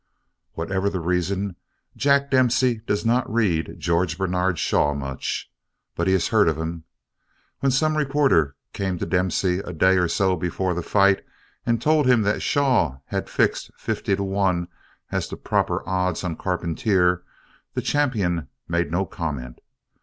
Whatever the reason, Jack Dempsey does not read George Bernard Shaw much. But he has heard of him. When some reporter came to Dempsey a day or so before the fight and told him that Shaw had fixed fifty to one as the proper odds on Carpentier, the champion made no comment.